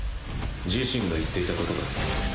自身が言っていたことだ。